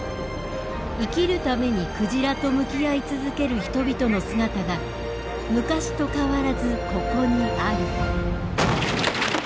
生きるために鯨と向き合い続ける人々の姿が昔と変わらずここにある。